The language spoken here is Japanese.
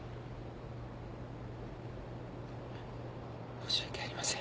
申し訳ありません。